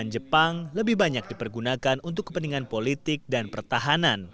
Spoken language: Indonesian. jepang jawa tengah